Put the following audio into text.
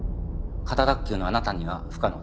肩脱臼のあなたには不可能だ。